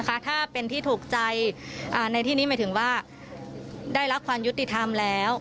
ถ้าเป็นที่ถูกใจในที่นี้หมายถึงว่าได้รับความยุติธรรมแล้ว